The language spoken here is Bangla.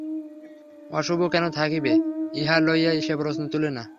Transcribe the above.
অশুভ কেন থাকিবে, ইহা লইয়া সে প্রশ্ন তুলে না।